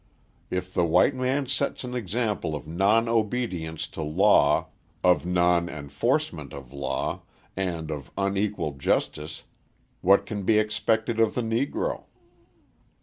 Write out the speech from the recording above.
If the white man sets an example of non obedience to law, of non enforcement of law, and of unequal justice, what can be expected of the Negro?